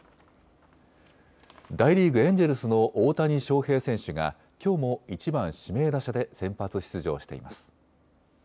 大リーグ、エンジェルスの大谷翔平選手がきょうも１番・指名打者で先発出場しています。